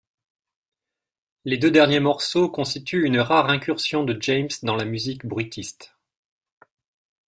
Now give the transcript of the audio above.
Les deux derniers morceaux constituent une rare incursion de James dans la musique bruitiste.